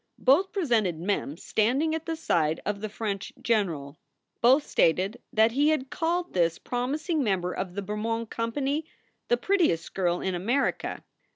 Both presented Mem standing at the side of the French general. Both stated that he had called this promising member of the Bermond Company "the prettiest girl in America."